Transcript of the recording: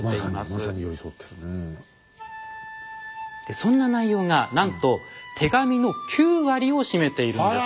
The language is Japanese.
そんな内容がなんと手紙の９割を占めているんです。